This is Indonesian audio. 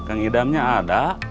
kang idamnya ada